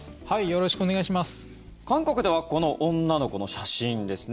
よろしくお願いします。